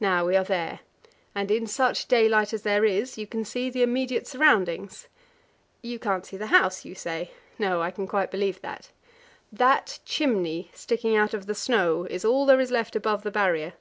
Now we are there, and in such daylight as there is, you can see the immediate surroundings. You can't see the house, you say. No; I can quite believe it. That chimney sticking out of the snow is all there is left above the Barrier.